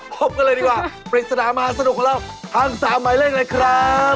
พบกันเลยดีกว่าปริศนามหาสนุกของเรา